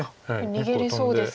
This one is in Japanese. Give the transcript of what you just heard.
逃げれそうですが。